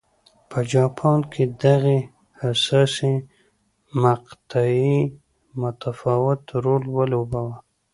په جاپان کې دغې حساسې مقطعې متفاوت رول ولوباوه.